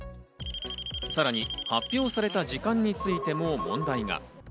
さらに発表された時間についても問題が。